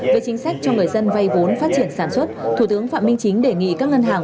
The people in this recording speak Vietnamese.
về chính sách cho người dân vay vốn phát triển sản xuất thủ tướng phạm minh chính đề nghị các ngân hàng